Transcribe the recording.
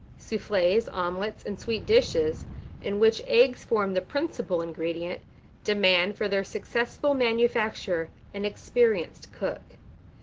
1388. SOUFFLES, OMELETS, AND SWEET DISHES, in which eggs form the principal ingredient, demand, for their successful manufacture, an experienced cook.